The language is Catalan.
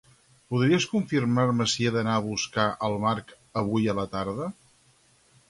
Podries confirmar-me si he d'anar a buscar al Marc avui a la tarda?